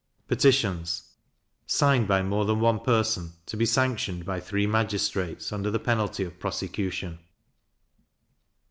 Petitions signed by more than one person, to be sanctioned by three magistrates, under the penalty of prosecution.